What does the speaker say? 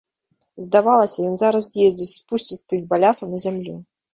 Здавалася, ён зараз з'едзе з спусцістых балясаў на зямлю.